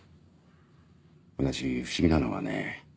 私不思議なのはね